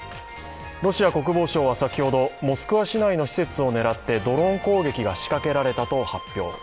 ロシア国防省は先ほど、モスクワ市内の施設を狙ってドローン攻撃が仕掛けられたと発表。